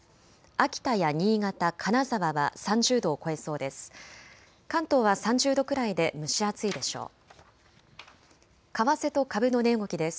秋田や新潟、金沢は３０度を超えそうです。